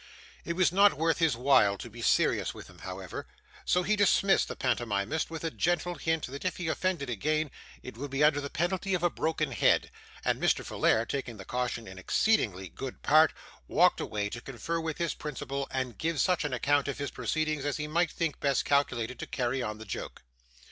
It was not worth his while to be serious with him, however, so he dismissed the pantomimist, with a gentle hint that if he offended again it would be under the penalty of a broken head; and Mr. Folair, taking the caution in exceedingly good part, walked away to confer with his principal, and give such an account of his proceedings as he might think best calculated to carry on the joke.